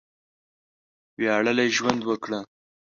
وياړلی ژوند وکړه!